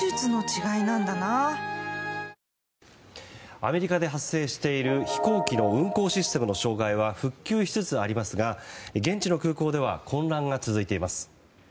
アメリカで発生している飛行機の運航システムの障害は復旧しつつありますが現地の空港では混乱が続いています。